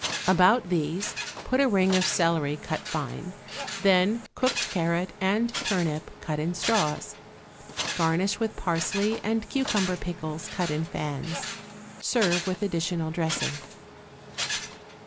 About these put a ring of celery cut fine, then cooked carrot and turnip cut in straws. Garnish with parsley and cucumber pickles cut in fans. Serve with additional dressing.